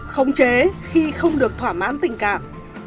không chế khi không được thỏa mãn tình cảm